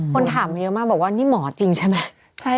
คนถามเยอะมากบอกว่านี่หมอจริงใช่ไหม